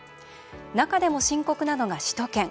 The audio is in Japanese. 中でも深刻なのが首都圏。